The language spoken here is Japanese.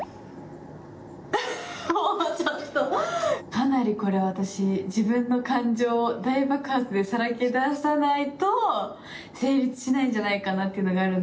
かなりこれ私自分の感情を大爆発でさらけ出さないと成立しないんじゃないかなっていうのがあるので。